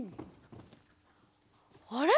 あれ？